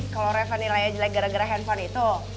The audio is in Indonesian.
kalo reva nilainya jelek gara gara handphone itu